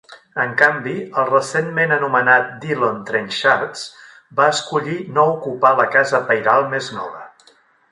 En canvi, el recentment anomenat Dillon-Trenchards va escollir no ocupar la casa pairal més nova.